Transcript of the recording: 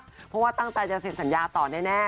เพราะว่าตั้งใจจะเซ็นสัญญาต่อแน่